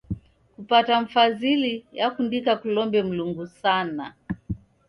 Kupata mfazili yakundika kulombe Mlungu sana.